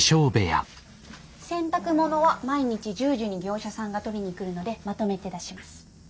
洗濯物は毎日１０時に業者さんが取りに来るのでまとめて出します。